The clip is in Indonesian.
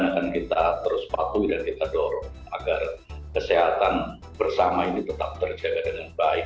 dan kita akan terus patuhi dan kita dorong agar kesehatan bersama ini tetap terjaga dengan baik